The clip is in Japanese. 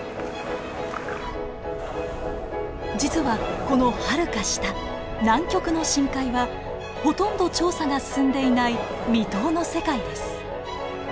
実はこのはるか下南極の深海はほとんど調査が進んでいない未踏の世界です。